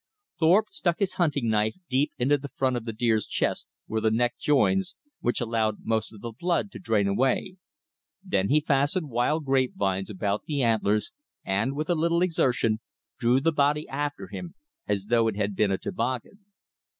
Thorpe stuck his hunting knife deep into the front of the deer's chest, where the neck joins, which allowed most of the blood to drain away. Then he fastened wild grape vines about the antlers, and, with a little exertion drew the body after him as though it had been a toboggan.